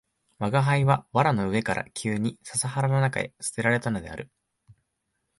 吾輩は藁の上から急に笹原の中へ棄てられたのである